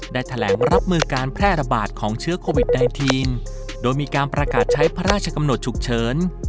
ได้แถลงรับมือการแพร่ระบาดของเชื้อโควิด๑๙โดยมีการประกาศใช้พระราชกำหนดฉุกเฉิน